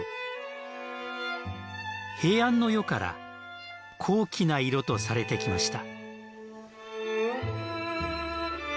平安の世から高貴な色とされてきました。